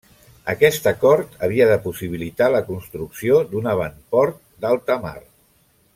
Aquest acord havia de possibilitar la construcció d'un avantport d'alta mar.